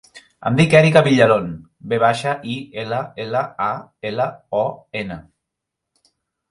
Em dic Erica Villalon: ve baixa, i, ela, ela, a, ela, o, ena.